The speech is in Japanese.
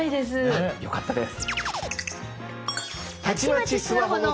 あっよかったです。